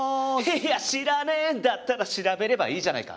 いや知らねえんだったら調べればいいじゃないか。